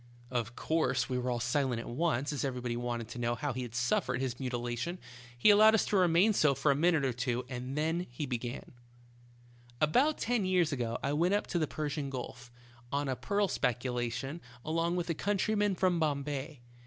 Of course we were all silent at once, as every body wanted to know how he had suffered his mutilation. He allowed us to remain so for a minute or two, and then began : "About ten years ago I went up to the Persian Gulf, on a pearl speculation, along with a coun tryman from Bombay.